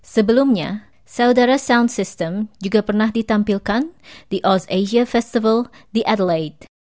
sebelumnya saudara sound system juga pernah ditampilkan di ozasia festival di adelaide